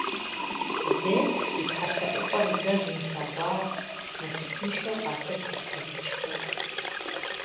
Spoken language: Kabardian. Зевс и тхьэелъэӀупӀэр зэ зымылъэгъуар насыпыншэу къалъытэрт алыджхэм.